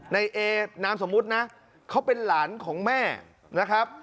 ในเอนามสมมุตินะเขาเป็นหลานของแม่นะครับ